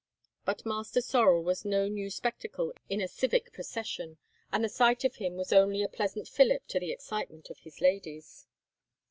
But Master Sorel was no new spectacle in a civic procession, and the sight of him was only a pleasant fillip to the excitement of his ladies.